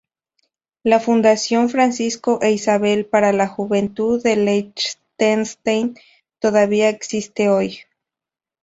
La "Fundación Francisco e Isabel para la Juventud de Liechtenstein" todavía existe hoy.